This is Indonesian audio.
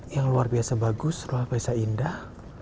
yang luar biasa bagus luar biasa indah